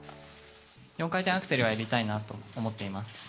４回転アクセルをやりたいなと思ってます。